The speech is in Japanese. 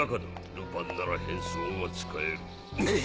ルパンなら変装が使える。